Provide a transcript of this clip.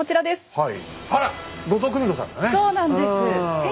はい。